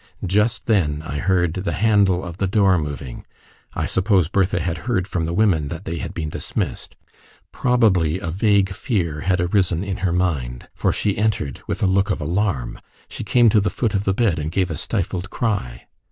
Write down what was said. Just then I heard the handle of the door moving: I suppose Bertha had heard from the women that they had been dismissed: probably a vague fear had arisen in her mind, for she entered with a look of alarm. She came to the foot of the bed and gave a stifled cry.